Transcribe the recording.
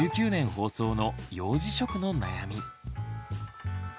放送の「幼児食の悩み」。